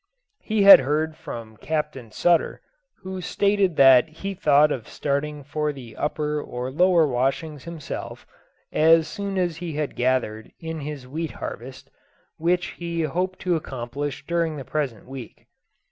He had heard from Captain Sutter, who stated that he thought of starting for the upper or lower washings himself, as soon as he had gathered in his wheat harvest, which he hoped to accomplish during the present week.